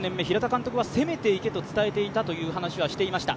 監督は攻めて行けと伝えていたという話はしていました。